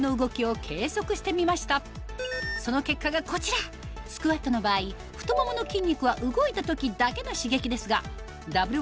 その結果がこちらスクワットの場合太ももの筋肉は動いた時だけの刺激ですがダブル